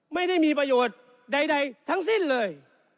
ไม่ได้มีประโยชน์ใดทั้งสิ้นเลย